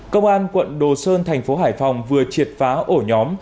công an quận đồ sơn thành phố hải phòng vừa triệt phá ổ nhóm